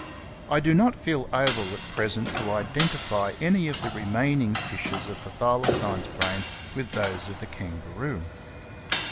I do not feel able at present to identify any of the remaining fissures of the Thylacine's brain with those of the Kangaroo.